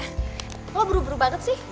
kok lo buru buru banget sih